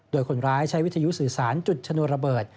โดยคนร้ายใช้วิทยุสื่อสารจุดชนวนระเบิด